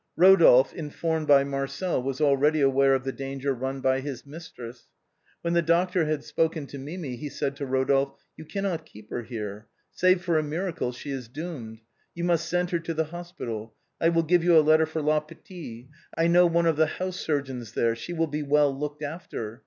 Rodolphe, informed by Marcel, was already aware of the danger run by his mistress. When the doctor had spoken to Mimi, he said to Rodolphe —" You cannot keep her here. Save for a miracle she is doomed. You must send her to the hospital. I will givo you a letter for La Pitié. I known one of the house sur« geons there ; she will be well looked after.